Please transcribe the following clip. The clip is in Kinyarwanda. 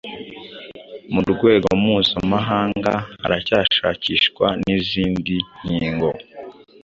Mu rwego mpuzamahanga haracyashakishwa n’izindi nkingo